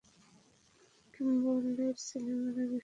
কিম্বলের ছেলে মারা গেছে।